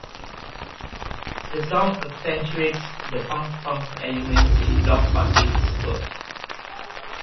The song accentuates the punk funk elements in Bloc Party's work.